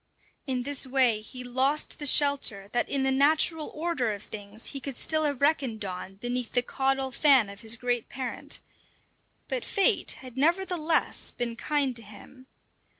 In this way he lost the shelter that in the natural order of things he could still have reckoned on beneath the caudal fan of his great parent; but fate had nevertheless been kind to him.